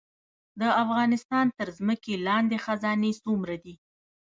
د افغانستان تر ځمکې لاندې خزانې څومره دي؟